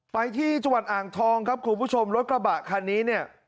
ไปที่จังหวัดอ่างทองครับคุณผู้ชมรถกระบะคันนี้เนี่ย